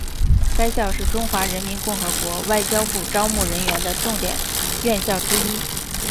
该校是中华人民共和国外交部招募人员的重点院校之一。